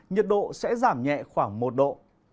nhiệt độ sẽ giảm nhẹ khoảng một độ